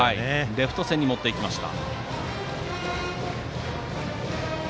レフト線に持っていきました。